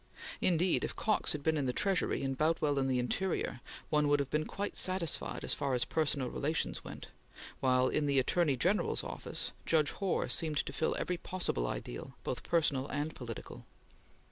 Indeed, if Cox had been in the Treasury and Boutwell in the Interior, one would have been quite satisfied as far as personal relations went, while, in the Attorney General's Office, Judge Hoar seemed to fill every possible ideal, both personal and political.